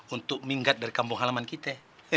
untuk minggat dari kampung halaman kita